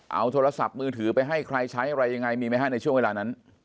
เอาโทรศัพท์มือถือไปให้ใครใช้อะไรยังไงมีไหมฮะในช่วงเวลานั้น